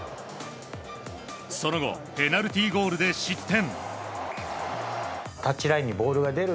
その後ペナルティーゴールで失点。